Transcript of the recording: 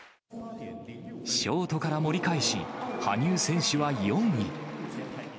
ショートから盛り返し、羽生選手は４位。